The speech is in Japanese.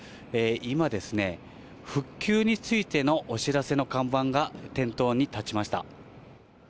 今ですね、復旧についてのお知らせの看板が、店頭に立ちました。